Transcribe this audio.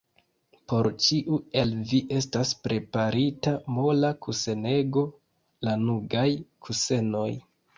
Por ĉiu el vi estas preparita mola kusenego, lanugaj kusenoj!